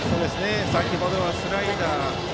先程はスライダー。